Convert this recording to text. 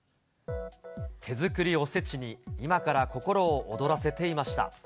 手作りおせちに、今から心を躍らせていました。